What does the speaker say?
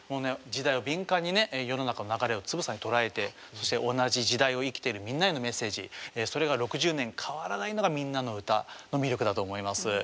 時代を敏感にね世の中の流れをつぶさに捉えてそして同じ時代を生きているみんなへのメッセージそれが６０年変わらないのが「みんなのうた」の魅力だと思います。